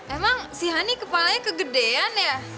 emang si hani kepalanya kegedean ya